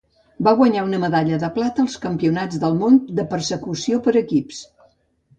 Va guanyar una medalla de plata als Campionats del món de persecució per equips.